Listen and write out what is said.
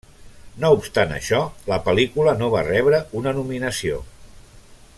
No obstant això, la pel·lícula no va rebre una nominació.